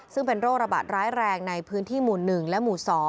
ซึ่งเป็นโรคระบาดร้ายแรงในพื้นที่หมู่๑และหมู่๒